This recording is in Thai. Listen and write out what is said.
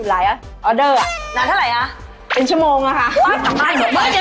แล้วไหนกินของนี่